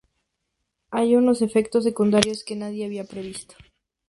Hay unos efectos secundarios que nadie había previsto: